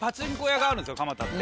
蒲田って。